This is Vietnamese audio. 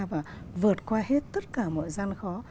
và vượt qua hết tất cả mọi gian khó